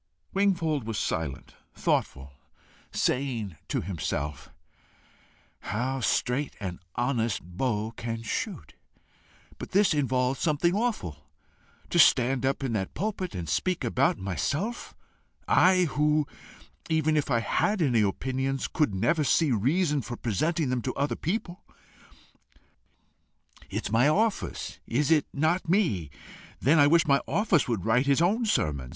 Wingfold was silent, thoughtful, saying to himself "How straight an honest bow can shoot! But this involves something awful. To stand up in that pulpit and speak about myself! I who, even if I had any opinions, could never see reason for presenting them to other people! It's my office, is it not me? Then I wish my Office would write his own sermons.